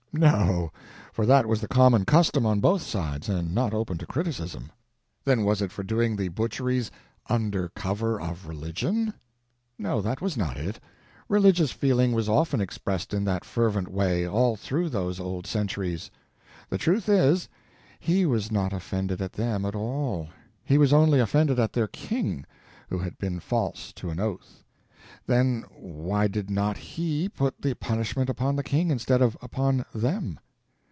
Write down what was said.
No, for that was the common custom on both sides, and not open to criticism. Then was it for doing the butcheries "under cover of religion"? No, that was not it; religious feeling was often expressed in that fervent way all through those old centuries. The truth is, He was not offended at "them" at all; He was only offended at their king, who had been false to an oath. Then why did not He put the punishment upon the king instead of upon "them"?